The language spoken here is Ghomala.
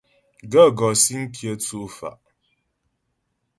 Gaə̂ gɔ́ síŋ kyə tsʉ́' fá'.